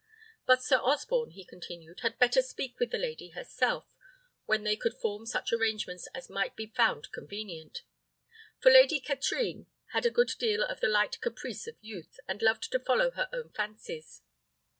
But Sir Osborne, he continued, had better speak with the lady herself, when they could form such arrangements as might be found convenient; for Lady Katrine had a good deal of the light caprice of youth, and loved to follow her own fantasies.